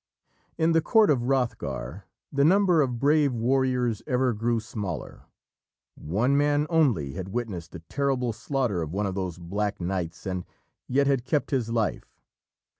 In the court of Hrothgar, the number of brave warriors ever grew smaller. One man only had witnessed the terrible slaughter of one of those black nights and yet had kept his life.